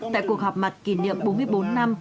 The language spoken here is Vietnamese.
tại cuộc họp mặt kỷ niệm bốn mươi bốn năm